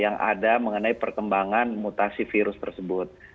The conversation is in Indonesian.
yang ada mengenai perkembangan mutasi virus tersebut